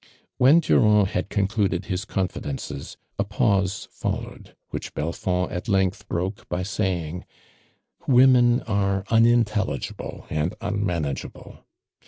When Durand had concluded his confi dences, a pause followed, which Belfond at length broke by saying: " AVomen arc unintelligible and unmanageable.